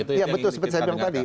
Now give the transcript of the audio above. iya betul seperti saya bilang tadi